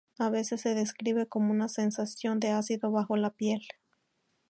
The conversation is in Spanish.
A veces se describe como una sensación de ácido bajo la piel.